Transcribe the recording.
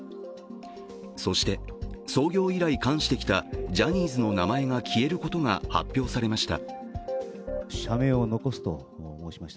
そして、創業以来、冠してきたジャニーズの名前が消えることが発表されました。